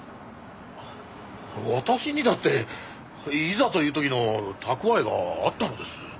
あ私にだっていざという時の蓄えがあったんです。